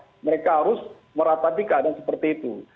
karena mereka harus meratapi keadaan seperti itu